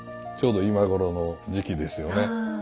ちょうど今頃の時期ですよね。